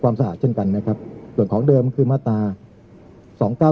สะอาดเช่นกันนะครับส่วนของเดิมคือมาตราสองเก้า